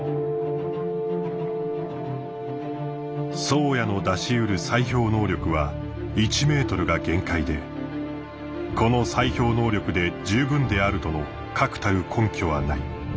「宗谷の出し得る砕氷能力は１ｍが限界でこの砕氷能力で十分であるとの確たる根拠はない。